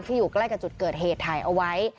อยู่ใกล้กับจุดเกิดเหตุถ่ายเอาไว้